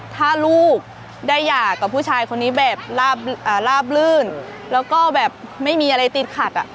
ถ้าลูกได้หย่ากับผู้ชายคนนี้แบบลาบลื่นแล้วก็แบบไม่มีอะไรติดขัดอ่ะ